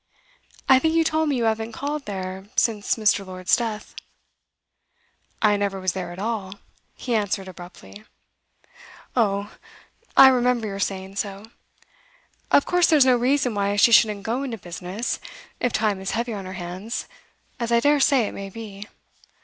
'I think you told me you haven't called there since Mr. Lord's death?' 'I never was there at all,' he answered abruptly. 'Oh, I remember your saying so. Of course there is no reason why she shouldn't go into business, if time is heavy on her hands, as I dare say it may be.